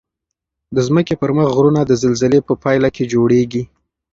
د ځمکې پر مخ غرونه د زلزلې په پایله کې جوړیږي.